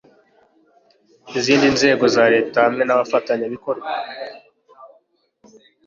izindi nzego za leta hamwe n'abafatanyabikorwa